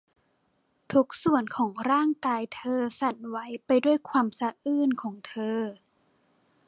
ทุกส่วนของร่างกายเธอสั่นไหวไปด้วยความสะอื้นของเธอ